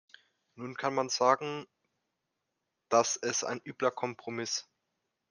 Nun kann man sagen, das ist ein übler Kompromiss.